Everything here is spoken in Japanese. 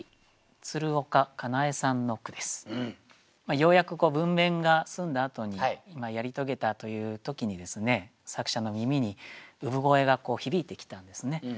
ようやく分娩が済んだあとにやり遂げたという時に作者の耳に産声が響いてきたんですね。